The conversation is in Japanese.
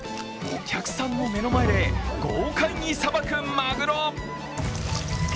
お客さんの前で豪快にさばくまぐろ。